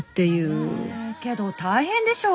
へぇけど大変でしょう？